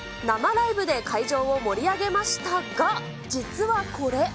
生ライブで会場を盛り上げましたが、実はこれ。